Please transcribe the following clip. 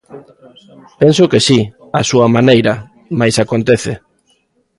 Penso que si, a súa maneira, mais acontece.